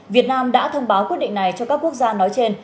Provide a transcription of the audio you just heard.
việt nam đã thông báo quyết định này cho các quốc gia nói trên